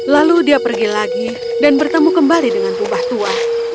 lalu dia pergi lagi dan bertemu kembali dengan rubah tua